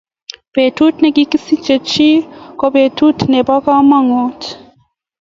Betut nekisiche chi ko betut nepo kamanut